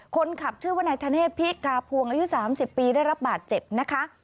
คนขับชื่อว่านายธเนธพิกาพวงอายุ๓๐ปีได้รับบาดเจ็บนะคะ